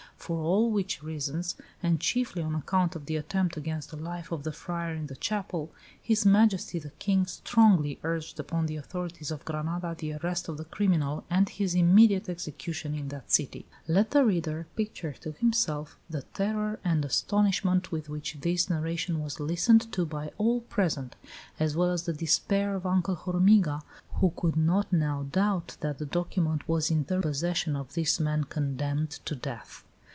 For all which reasons, and chiefly on account of the attempt against the life of the friar in the chapel, His Majesty the King strongly urged upon the authorities of Granada the arrest of the criminal and his immediate execution in that city." Let the reader picture to himself the terror and astonishment with which this narration was listened to by all present, as well as the despair of Uncle Hormiga, who could not now doubt that the document was in the possession of this man condemned to death.